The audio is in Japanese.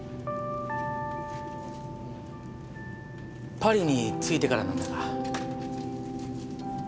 パリに着いてからなんだが。